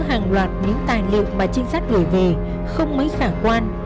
trong một hàng loạt những tài liệu mà trinh sát gửi về không mấy khả quan